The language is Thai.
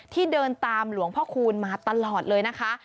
เดินตามหลวงพ่อคูณมาตลอดเลยนะคะ